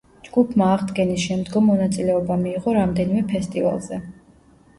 ჯგუფმა აღდგენის შემდგომ მონაწილეობა მიიღო რამდენიმე ფესტივალზე.